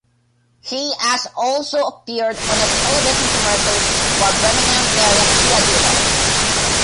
He has also appeared on a television commercial for a Birmingham-area Kia dealer.